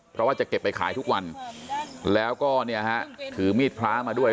เพราะว่าจะเก็บไปขายทุกวันแล้วก็เนี่ยฮะถือมีดพระมาด้วย